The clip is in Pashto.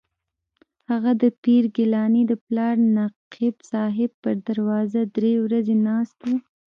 هغه د پیر ګیلاني د پلار نقیب صاحب پر دروازه درې ورځې ناست و.